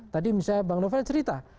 tadi misalnya bang novel cerita